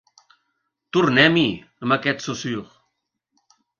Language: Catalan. Tornem-hi, amb aquest Saussure.